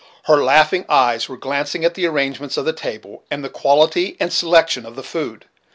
Her Laughing eyes were glancing at the arrangements of the table, and the quality and selection of the food.